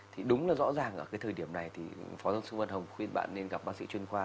thì đúng là rõ ràng ở cái thời điểm này thì phó giáo sư văn hồng khuyên bạn nên gặp bác sĩ chuyên khoa